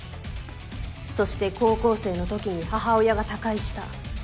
そして高校生のときに母親が他界した。